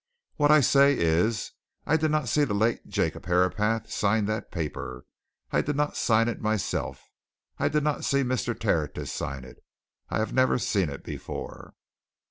What I say is I did not see the late Jacob Herapath sign that paper; I did not sign it myself; I did not see Mr. Tertius sign it; I have never seen it before!"